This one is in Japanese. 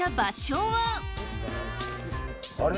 あれ？